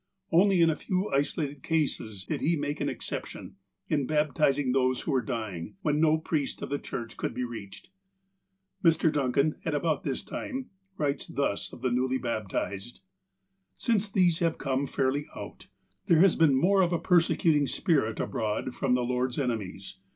Only in a few isolated cases did he make an exception, in baptizing those who were dying, when no priest of the Church could be reached. Mr. Duncan, at about this time, writes thus of the newly baptized :" Since these have come fairly out, there has been more of a persecuting spirit abroad from the Lord's enemies.